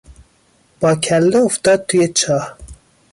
با کله افتاد توی چاه.